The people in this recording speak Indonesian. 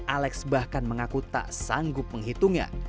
alex bahkan mengaku tak sanggup menghitungnya